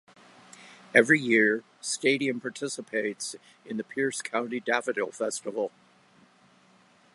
Every year, Stadium participates in the Pierce County Daffodil Festival.